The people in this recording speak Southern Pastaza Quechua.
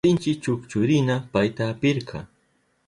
Sinchi chukchurina payta apirka.